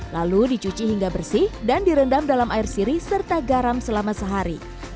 lalu dicuci hingga bersih dan direndam dalam air siri serta garam selama sehari